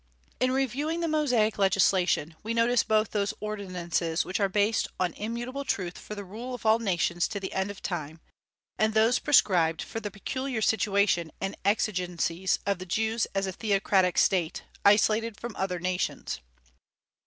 In reviewing the Mosaic legislation, we notice both those ordinances which are based on immutable truth for the rule of all nations to the end of time, and those prescribed for the peculiar situation and exigencies of the Jews as a theocratic state, isolated from other nations.